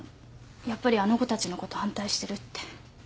やっぱりあの子たちのこと反対してるって。